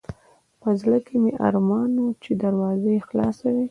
په زړه کې مې ارمان و چې دروازه یې خلاصه وای.